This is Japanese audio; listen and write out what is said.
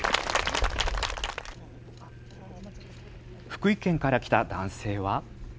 福井県から来た男性は。